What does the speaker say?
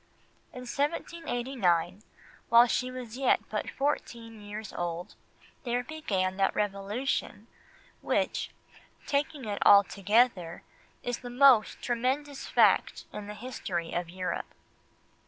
In 1789, while she was yet but fourteen years old, there began that Revolution which, taking it altogether, is the most tremendous fact in the history of Europe.